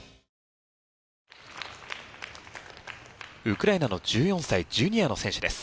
ウクライナの１４歳ジュニアの選手です。